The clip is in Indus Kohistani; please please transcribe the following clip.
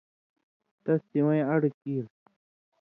تس سِوَیں اڑ کیر۔